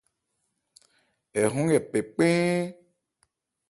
Ɛ hɔ́n nkɛ pɛ kpɛ́ɛ́n.